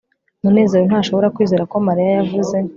munezero ntashobora kwizera ko mariya yavuze